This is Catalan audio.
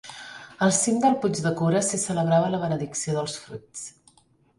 Al cim del puig de Cura s'hi celebrava la benedicció dels fruits.